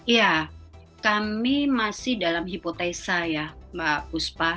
ya kami masih dalam hipotesa ya mbak puspa